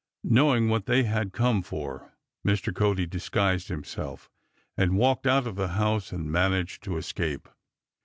Knowing what they had come for, Mr. Cody disguised himself and walked out of the house and managed to escape.